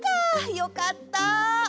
よかった。